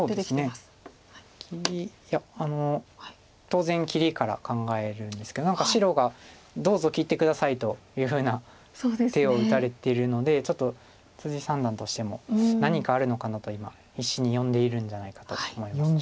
当然切りから考えるんですけど何か白が「どうぞ切って下さい」というふうな手を打たれてるのでちょっと三段としても何かあるのかなと今必死に読んでいるんじゃないかと思います。